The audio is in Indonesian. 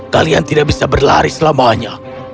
kalian tidak bisa berlari selamanya